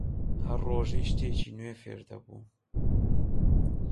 هەر ڕۆژەی شتێکی نوێ فێر دەبووم